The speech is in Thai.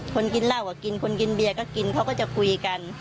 คนกินเหล้าก็กินคนกินเบียร์ก็กินเขาก็จะคุยกัน